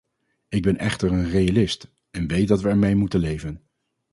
Ik ben echter een realist, en weet dat we ermee moeten leven.